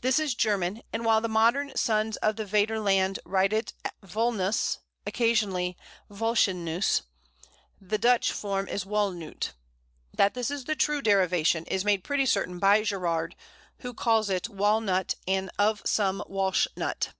This is German, and while the modern sons of the Vaterland write it Wallnuss (occasionally Wälshenuss), the Dutch form is Wallnoot. That this is the true derivation is made pretty certain by Gerarde, who calls it "Walnut, and of some Walsh nut."